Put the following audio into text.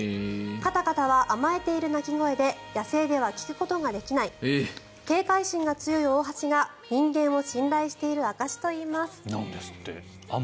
カタカタは甘えている鳴き声で野生では聞くことができない警戒心が強いオオハシが人間を信頼している証しといいます。